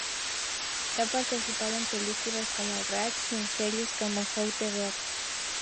Ha participado en películas como "Rags" y en series como "How to Rock".